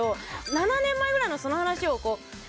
７年前ぐらいのその話を。